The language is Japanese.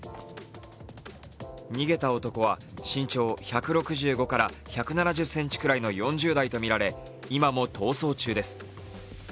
逃げた男は身長１６５から１７ｃｍぐらいの４０代とみられ、今も逃走中です。